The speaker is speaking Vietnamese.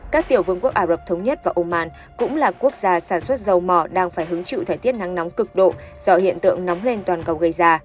các tiểu vương quốc ả rập thống nhất và oman cũng là quốc gia sản xuất dầu mỏ đang phải hứng chịu thời tiết nắng nóng cực độ do hiện tượng nóng lên toàn cầu gây ra